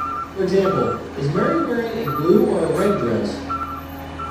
For example, Is Mary wearing a blue or a red dress?